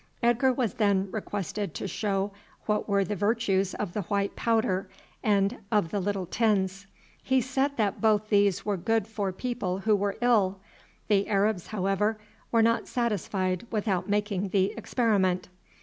Edgar was then requested to show what were the virtues of the white powder, and of the little tins. He said that both these were good for people who were ill. The Arabs, however, were not satisfied without making the experiment.